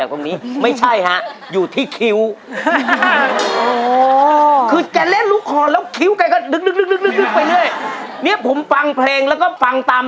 ก็ดึกดึกดึกไปด้วยเนี้ยผมฟังเพลงแล้วก็ฟังตาม